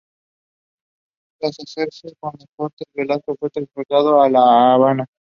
Tras hacerse con el fuerte Velasco fue transportado a La Habana.